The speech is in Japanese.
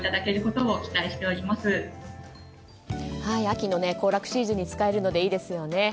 秋の行楽シーズンに使えるのでいいですよね。